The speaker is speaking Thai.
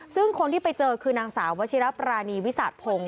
ซึ่งคนที่ไปเจอคือนางสาววชิระปรานีวิสาทพงศ